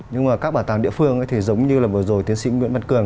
nhưng mà các bảo tàng địa phương thì giống như là vừa rồi tiến sĩ nguyễn văn cường